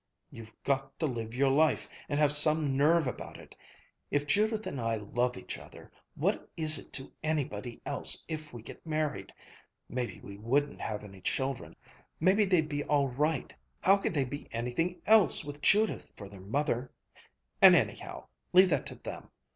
You've got to live your life, and have some nerve about it! If Judith and I love each other, what is it to anybody else if we get married? Maybe we wouldn't have any children. Maybe they'd be all right how could they be anything else with Judith for their mother? And anyhow, leave that to them!